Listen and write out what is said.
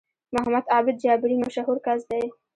محمد عابد جابري مشهور کس دی